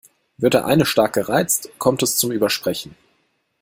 Wird der eine stark gereizt, kommt es zum Übersprechen.